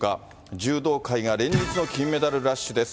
柔道界が連日の金メダルラッシュです。